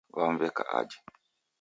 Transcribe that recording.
W'amu w'eka aje.